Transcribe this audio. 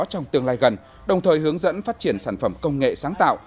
trong tương lai gần đồng thời hướng dẫn phát triển sản phẩm công nghệ sáng tạo